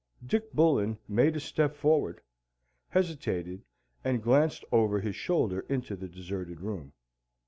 Dick Bullen made a step forward, hesitated, and glanced over his shoulder into the deserted room.